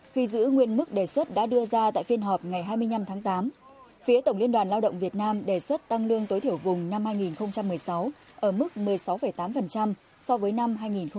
khi giữ nguyên mức đề xuất đã đưa ra tại phiên họp ngày hai mươi năm tháng tám phía tổng liên đoàn lao động việt nam đề xuất tăng lương tối thiểu vùng năm hai nghìn một mươi sáu ở mức một mươi sáu tám so với năm hai nghìn một mươi bảy